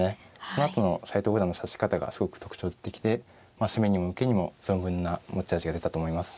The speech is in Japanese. そのあとの斎藤五段の指し方がすごく特徴的で攻めにも受けにも存分な持ち味が出たと思います。